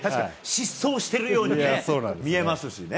疾走してるように、見えますしね。